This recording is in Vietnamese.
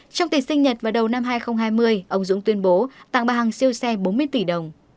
trong tiệt sinh nhật vào đầu năm hai nghìn hai mươi ông dũng tuyên bố tặng bà hằng siêu xe bốn mươi tỷ đồng